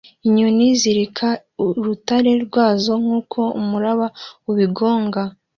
Inyoni zireka urutare rwazo nkuko umuraba ubigonga